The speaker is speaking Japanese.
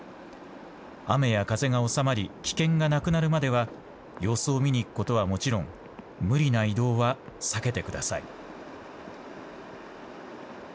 雨や風が収まり危険がなくなるまでは様子を見に行くことはもちろん無理な移動は避けてください。